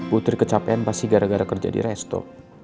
putri kecapean pasti gara gara kerja di resto